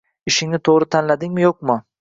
ishingni toʻgʻri tanladingmi-yoʻqmi